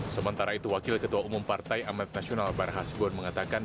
sementara itu wakil ketua umum partai amat nasional barhasibuan mengatakan